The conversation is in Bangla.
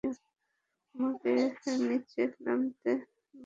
আমাকে নিচে নামাতে বলো।